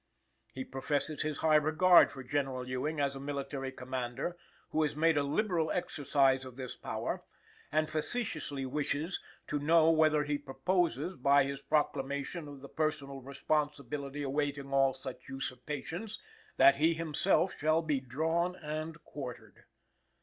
He professes his high regard for General Ewing as a military commander who has made a "liberal exercise of this power," and facetiously wishes "to know whether he proposes, by his proclamation of the personal responsibility awaiting all such usurptions," that he himself shall be "drawn and quartered."